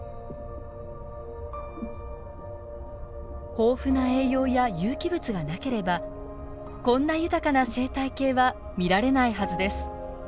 豊富な栄養や有機物がなければこんな豊かな生態系は見られないはずです。